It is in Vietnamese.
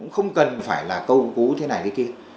không cần phải là câu cứu thế này cái kia